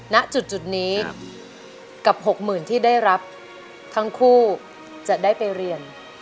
ณจุดนี้กับ๖๐๐๐ที่ได้รับทั้งคู่จะได้ไปเรียน